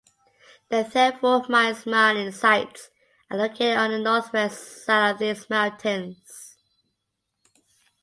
The Thetford Mines mining sites are located on the northwest side of these mountains.